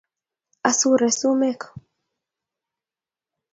asure sumek